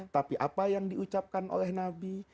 tapi apa yang diucapkan oleh nabi